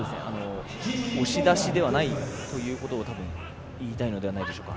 押し出しではないということを言いたいのではないでしょうか。